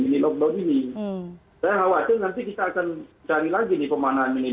ini log ini saya khawatir nanti kita akan cari lagi nih pemanaan ini